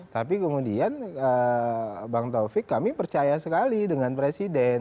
tapi kemudian bang taufik kami percaya sekali dengan presiden